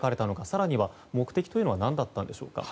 更には、目的は何だったんでしょうか？